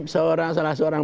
seorang salah seorang